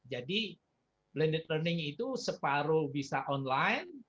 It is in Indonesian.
jadi blended learning itu separuh bisa online